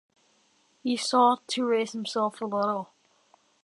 He sought to raise himself a little.